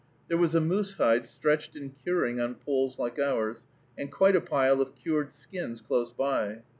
There was a moose hide stretched and curing on poles like ours, and quite a pile of cured skins close by.